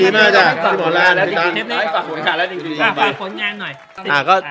ยินดีมากจัยฝากผลงานหน่อย